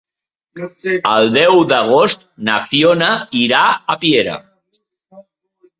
El deu d'agost na Fiona irà a Piera.